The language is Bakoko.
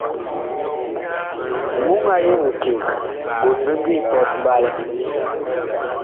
Muŋ a yeŋ eceg ɓot bi ngi pɔt mɓalɛ.